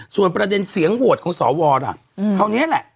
ส่วนประเด็นเสียงโหวตของสวล่ะคราวนี้แหละ